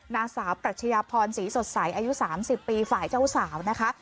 นางสาวปรัชญาพรศรีสดใสอายุ๓๐ปีฝ่ายเจ้าสาวนะคะ